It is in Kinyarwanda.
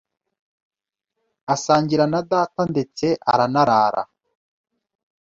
asangira na data ndetse aranarara.